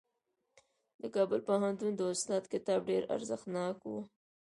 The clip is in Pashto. د کابل پوهنتون د استاد کتاب ډېر ارزښتناک و.